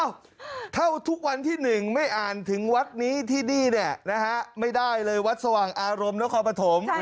เท่าทุกวันที่๑ไม่อ่านถึงวัดนี้ที่นี่เนี่ยนะฮะไม่ได้เลยวัดสว่างอารมณ์นครปฐม